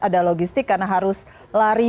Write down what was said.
ada logistik karena harus lari